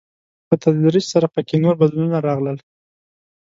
په تدريج سره په کې نور بدلونونه راغلل.